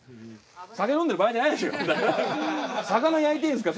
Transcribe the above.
酒飲んでる場合じゃないですよ。